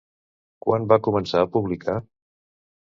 Quan va començar a publicar?